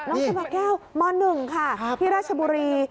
น้องชะบาแก้วม๑ค่ะที่ราชบุรี